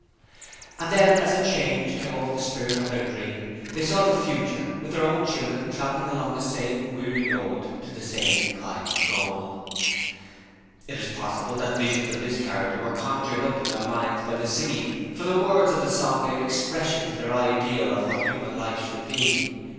And then, as a change came over the spirit of their dream, they saw the Future, with their own children travelling along the same weary road to the same kind of goal. It is possible that visions of this character were conjured up in their minds by the singing, for the words of the song gave expression to their ideal of what human life should be.